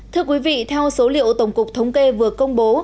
thưa quý vị theo số liệu tổng cục thống kê vừa công bố